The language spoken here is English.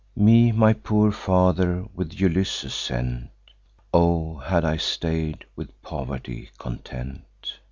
Me my poor father with Ulysses sent; (O had I stay'd, with poverty content!)